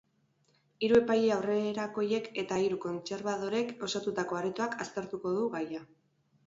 Hiru epaile aurrerakoiek eta hiru kontserbadorek osatutako aretoak aztertuko du gaia.